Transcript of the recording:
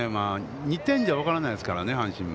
２点じゃ分からないですからね、阪神も。